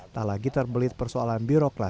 tak lagi terbelit persoalan